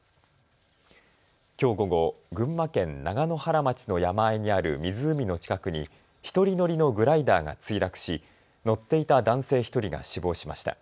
きょう午後、群馬県長野原町の山あいにある湖の近くに１人乗りのグライダーが墜落し乗っていた男性１人が死亡しました。